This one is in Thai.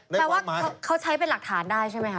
แปลว่าเขาใช้เป็นหลักฐานได้ใช่ไหมคะ